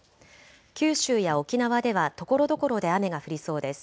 九州や沖縄ではところどころで雨が降りそうです。